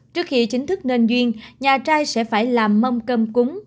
trước khi chính thức nên duyên nhà trai sẽ phải làm mâm cơm cúng